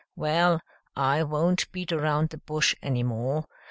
Well, I won't beat around the bush any more.